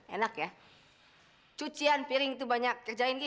enak ya cucian piring itu banyak kerjain gitu